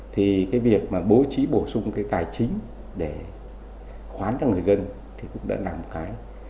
thì cái việc mà bố trí bổ sung cái tài chính để khoán cho người dân thì cũng đã là một cái